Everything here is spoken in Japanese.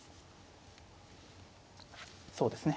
そうですね。